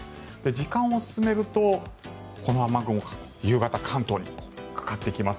時間を進めると、この雨雲が夕方、関東にかかってきます。